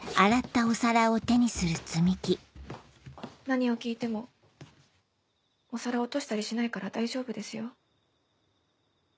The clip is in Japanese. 何を聞いてもお皿落としたりしないから大丈夫ですよ。